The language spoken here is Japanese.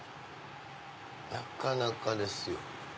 なかなかですよ。